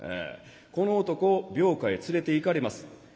この男病家へ連れていかれます。